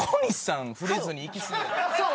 そう！